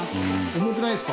重くないですか？